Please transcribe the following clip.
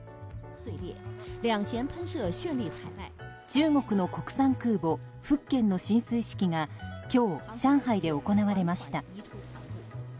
中国の国産空母「福建」の進水式が今日、上海で行われました。